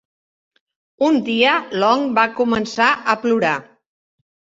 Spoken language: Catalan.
Un dia, Long va començar a plorar.